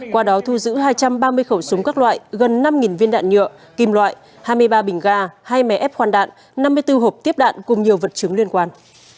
qua đó thu giữ hai trăm ba mươi khẩu súng các loại gần năm viên đạn nhựa kim loại hai mươi ba bình ga hai mé ép khoan đạn năm mươi bốn hộp tiếp đạn cùng nhiều vật chứng liên quan